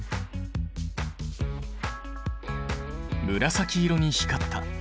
紫色に光った。